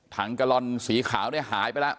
กะลอนสีขาวเนี่ยหายไปแล้ว